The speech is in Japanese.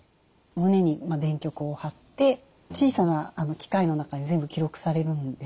胸に電極を貼って小さな機械の中に全部記録されるんです。